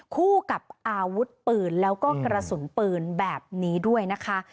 คู่กับอาวุธปืนแล้วก็กระสุนปืนแบบนี้ด้วยนะคะ